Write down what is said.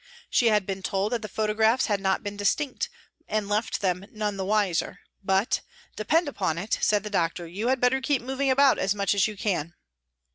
She had been told that the photographs had not been distinct and left them " none the wiser," but " Depend upon it," said the doctor, " you had better keep moving about as much as you can."